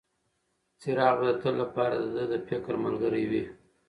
څراغ به د تل لپاره د ده د فکر ملګری وي.